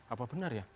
apa benar ya